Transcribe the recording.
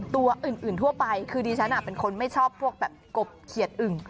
ตัวอื่นทั่วไปคือดิฉันเป็นคนไม่ชอบพวกแบบกบเขียดอึ่ง